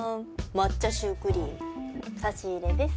抹茶シュークリーム差し入れです。